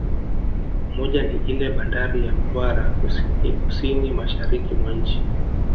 Moja ni iile bandari ya Mtwara kusini mashariki mwa nchi